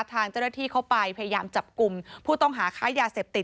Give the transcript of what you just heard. ทางเจ้าหน้าที่เข้าไปพยายามจับกลุ่มผู้ต้องหาค้ายาเสพติด